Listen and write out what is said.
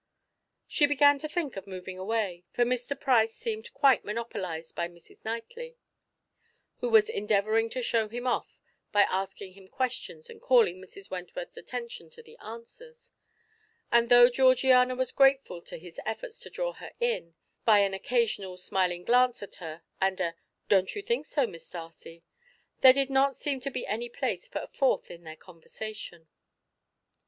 She began to think of moving away, for Mr. Price seemed quite monopolized by Mrs. Knightley, who was endeavouring to show him off by asking him questions and calling Mrs. Wentworth's attention to the answers; and though Georgiana was grateful to his efforts to draw her in, by an occasional smiling glance at her and a "Don't you think so, Miss Darcy?" there did not seem to be any place for a fourth in their conversation.